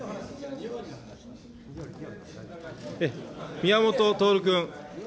宮本徹君。